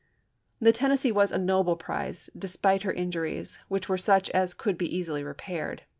The Tennessee was a noble prize, despite her in juries, which were such as could be easily repaired.